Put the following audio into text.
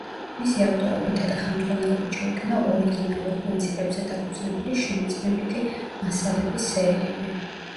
მისი ავტორობითა და ხელმძღვანელობით შეიქმნა ორიგინალურ პრინციპებზე დაფუძნებული შემეცნებითი მასალების სერიები.